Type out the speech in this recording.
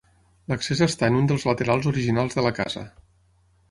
L'accés està en un dels laterals originals de la casa.